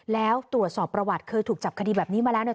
แล้วตรวจสอบประวัติเคยถูกจับคดีแบบนี้มาแล้วเนี่ย